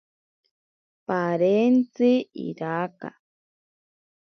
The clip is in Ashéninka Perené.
Parentzi iraka.